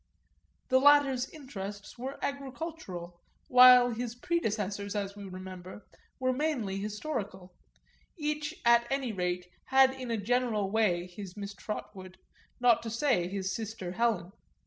The latter's interests were agricultural, while his predecessor's, as we remember, were mainly historical; each at any rate had in a general way his Miss Trotwood, not to say his sister Helen.